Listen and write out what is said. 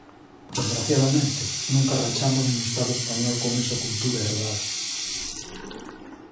Desgraciadamente, nunca rachamos no Estado español con esa cultura herdada.